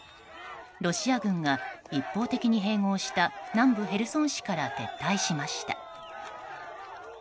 ロシア軍が一方的に併合した南部ヘルソン市から撤退しました。